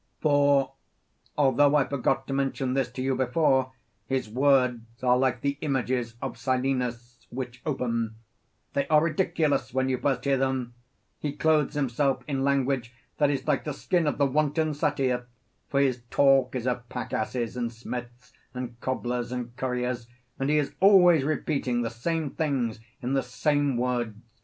For, although I forgot to mention this to you before, his words are like the images of Silenus which open; they are ridiculous when you first hear them; he clothes himself in language that is like the skin of the wanton satyr for his talk is of pack asses and smiths and cobblers and curriers, and he is always repeating the same things in the same words (compare Gorg.)